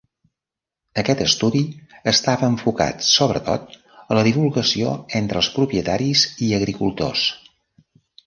Aquest estudi estava enfocat, sobretot, a la divulgació entre els propietaris i agricultors.